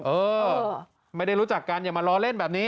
เออไม่ได้รู้จักกันอย่ามาล้อเล่นแบบนี้